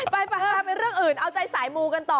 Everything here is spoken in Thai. ไปเรื่องอื่นเอาใจสายมูกันต่อ